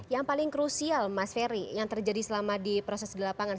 yang paling krusial mas ferry yang terjadi selama di proses di lapangan